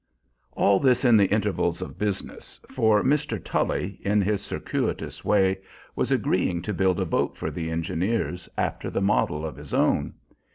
All this in the intervals of business, for Mr. Tully, in his circuitous way, was agreeing to build a boat for the engineers, after the model of his own.